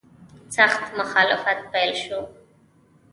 سخت مخالفت پیل شو.